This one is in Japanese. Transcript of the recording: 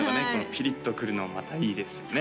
ピリッとくるのもまたいいですね